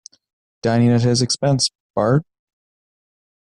Dining at his expense, Bart?